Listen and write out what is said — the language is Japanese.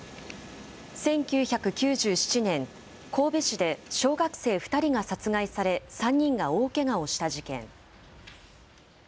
１９９７年、神戸市で小学生２人が殺害され、３人が大けがをした事件。